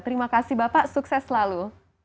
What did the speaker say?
terima kasih bapak sukses selalu